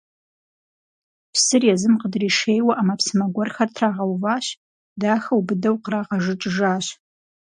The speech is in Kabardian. Псыр езым къыдришейуэ ӏэмэпсымэ гуэрхэр трагъэуващ, дахэу, быдэу кърагъэжыкӏыжащ.